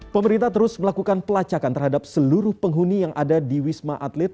pemerintah terus melakukan pelacakan terhadap seluruh penghuni yang ada di wisma atlet